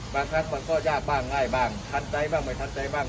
บางครั้งมันก็ยากบ้างง่ายบ้างทันใจบ้างไม่ทันใจบ้าง